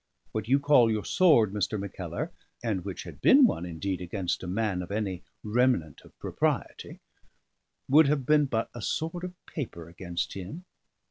What you call your sword, Mr. Mackellar, and which had been one indeed against a man of any remnant of propriety, would have been but a sword of paper against him.